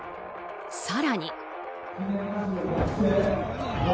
更に。